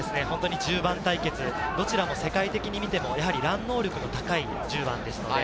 １０番対決、どちらも世界的に見ても、ラン能力の高い１０番です。